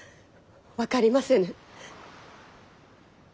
分かりませぬ。